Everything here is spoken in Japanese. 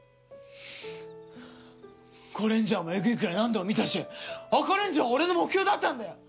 『ゴレンジャー』もエグいくらい何度も見たしアカレンジャーは俺の目標だったんだよ！